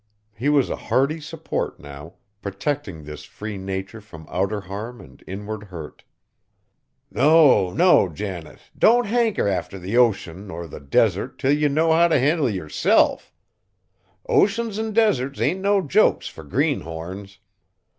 He was a hardy support now, protecting this free nature from outer harm and inward hurt. "No, no, Janet! Don't hanker arter the ocean nor the desert till ye know how t' handle yerself. Oceans an' deserts ain't no jokes fur greenhorns.